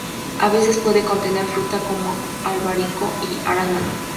A veces puede contener fruta, como albaricoque o arándano.